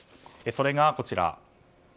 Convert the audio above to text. それがこちら。